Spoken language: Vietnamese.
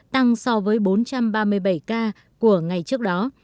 tăng so với bốn trăm ba mươi bảy ca của ngày trước đó